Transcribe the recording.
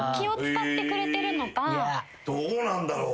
どうなんだろう。